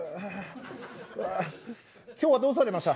「今日はどうされました？」。